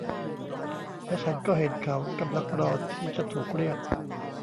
และฉันก็เห็นเขากำลังรอที่จะถูกเรียก